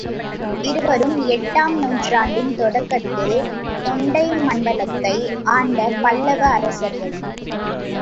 இருவரும் எட்டாம் நூற்றாண்டின் தொடக்கத்தில் தொண்டை மண்டலத்தை ஆண்ட பல்லவ அரசர்கள்.